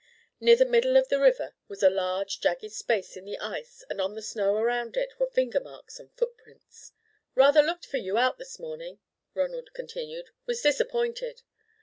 Near the middle of the river was a large, jagged space in the ice and on the snow around it were finger marks and footprints. "Rather looked for you out this morning," Ronald continued. "Was disappointed."